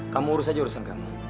kamu urus aja urusan kamu